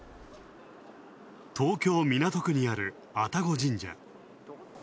東京、港区にある愛宕神社。